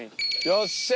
よっしゃ！